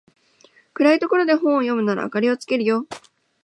暗いところで本を読むなら明かりつけるよ